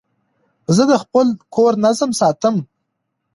زه د خپل کور نظم ساتم.